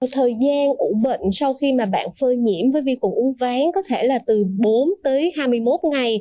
thời gian ủ bệnh sau khi bạn phơi nhiễm với vi cung uốn ván có thể là từ bốn tới hai mươi một ngày